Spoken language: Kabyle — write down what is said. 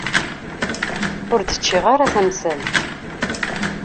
Ur d-ččiɣ ara tamsalt.